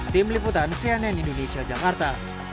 tim liputan cnn indonesia jakarta